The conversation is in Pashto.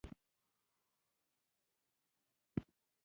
له زړه پخول د هر خوراک راز دی.